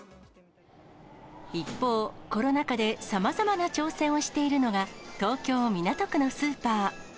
一方、コロナ禍でさまざまな挑戦をしているのが、東京・港区のスーパー。